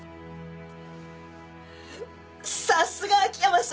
さすが秋山さん！